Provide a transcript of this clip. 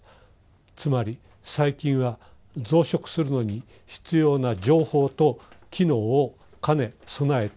つまり細菌は増殖するのに必要な情報と機能を兼ね備えているわけです。